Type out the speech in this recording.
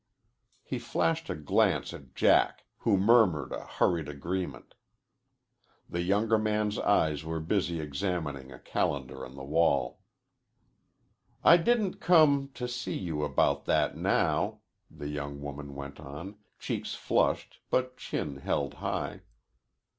He flashed a glance at Jack who murmured a hurried agreement. The younger man's eyes were busy examining a calendar on the wall. "I didn't come to see you about that now," the young woman went on, cheeks flushed, but chin held high.